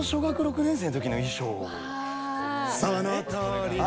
そのとおりです。